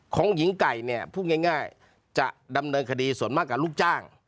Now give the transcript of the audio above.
ของหญิงไก่เนี่ยพูดง่ายจะดำเนินคดีส่วนมากกับลูกจ้าง